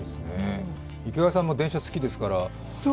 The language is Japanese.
池谷さんも電車好きですから。